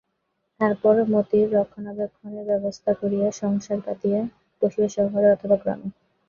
তারপর মতির রক্ষণাবেক্ষণের ব্যবস্থা করিয়া সংসার পাতিয়া বসিবে শহরে অথবা গ্রামে।